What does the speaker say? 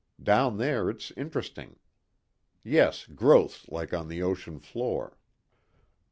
Down there it's interesting. Yes, growths like on the ocean floor."